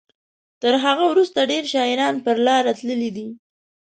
تر هغه وروسته ډیر شاعران پر لاره تللي دي.